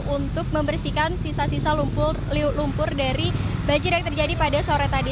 untuk membersihkan sisa sisa lumpur dari banjir yang terjadi pada sore tadi